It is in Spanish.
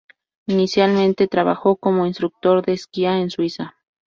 Inicialmente trabajó como instructor de Esquí en Suiza.